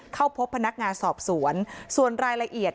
เข้าพบพนักงานสอบสวนส่วนรายละเอียด